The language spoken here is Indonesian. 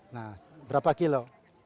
nah berapa kilo